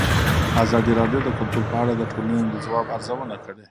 ازادي راډیو د کلتور په اړه د ټولنې د ځواب ارزونه کړې.